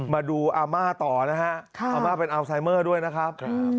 มาดูอาม่าต่อนะฮะอาม่าเป็นอัลไซเมอร์ด้วยนะครับ